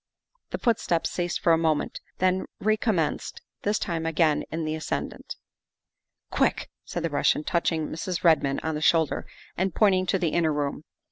The footsteps ceased for a moment, then recom menced, this time again in the ascendant. " Quick!" said the Russian, touching Mrs. Redmond on the shoulder and pointing to the inner room.